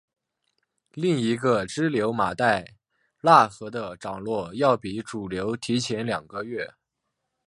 另一个支流马代腊河的涨落要比主流提前两个月。